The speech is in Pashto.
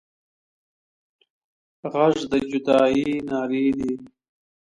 غږ د جدايي نارې دي